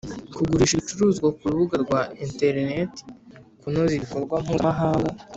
kugurisha ibicuruzwa ku rubuga rwa interineti, kunoza ibikorwa mpuzamahanga